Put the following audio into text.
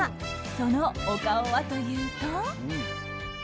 そのお顔はというと。